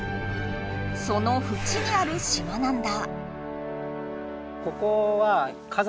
そのふちにある島なんだ。